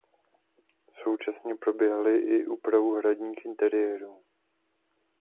Současně proběhly i úpravu hradních interiérů.